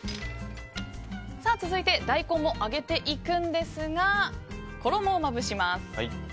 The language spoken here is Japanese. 続いて大根も揚げていくんですが衣をまぶします。